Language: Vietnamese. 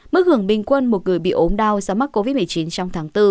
mức hưởng bình quân một người bị ốm đau do mắc covid một mươi chín trong tháng bốn